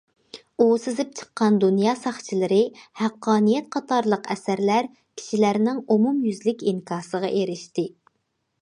ئۇ سىزىپ چىققان دۇنيا ساقچىلىرى، ھەققانىيەت قاتارلىق ئەسەرلەر كىشىلەرنىڭ ئومۇميۈزلۈك ئىنكاسىغا ئېرىشتى.